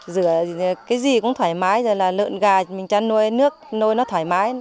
rửa cái gì cũng thoải mái rồi là lợn gà mình chăn nuôi nước nuôi nó thoải mái